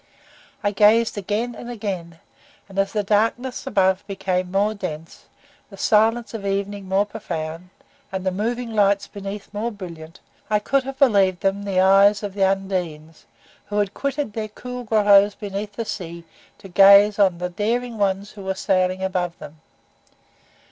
I gazed again and again, and, as the darkness above became more dense, the silence of evening more profound, and the moving lights beneath more brilliant, I could have believed them the eyes of the Undines, who had quitted their cool grottos beneath the sea to gaze on the daring ones who were sailing above them.